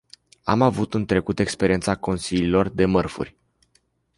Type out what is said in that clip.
Am avut în trecut experiența consiliilor de mărfuri.